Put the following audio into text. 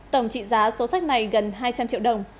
tổng trị giá số sách này gần hai trăm linh triệu đồng